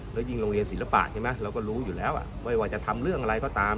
แล้วยิ่งโรงเรียนศิลปะใช่ไหมเราก็รู้อยู่แล้วไม่ว่าจะทำเรื่องอะไรก็ตาม